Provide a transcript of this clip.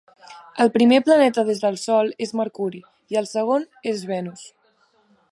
El primer planeta des del sol és Mercuri, i el segon és Venus